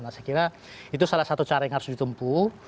nah saya kira itu salah satu cara yang harus ditempuh